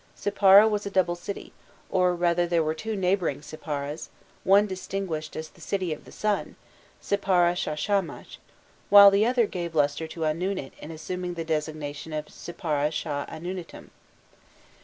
Sippara was a double city, or rather there were two neighbouring Sipparas, one distinguished as the city of the Sun, "Sippara sha Shamash," while the other gave lustre to Anunit in assuming the designation of "Sippara sha Anunitum."